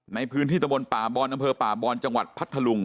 ในพื้นที่ตมป่าบอลอเภอป่าบอลจังหวัดพัททะหลุง